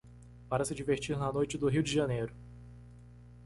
para se divertir na noite do Rio de Janeiro.